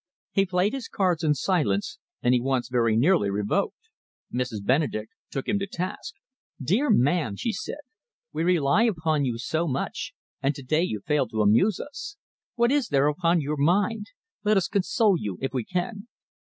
He played his cards in silence, and he once very nearly revoked. Mrs. Benedek took him to task. "Dear man," she said, "we rely upon you so much, and to day you fail to amuse us. What is there upon your mind? Let us console you, if we can."